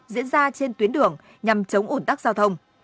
diễn ra trên tuyến đường nhằm chống ủn tắc giao thông